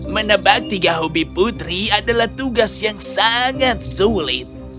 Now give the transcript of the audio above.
menebak tiga hobi putri adalah tugas yang sangat sulit